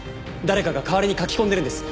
誰かが代わりに書き込んでるんです。